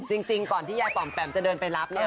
จริงก่อนที่ยายปอมแปมจะเดินไปรับเนี่ย